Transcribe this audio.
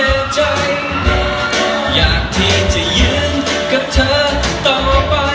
ในใจอยากที่จะยืนกับเธอต่อไป